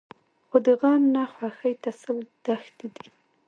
خو د غم نه خوښۍ ته سل دښتې دي.